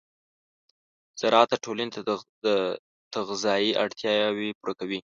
زراعت د ټولنې د تغذیې اړتیاوې پوره کوي.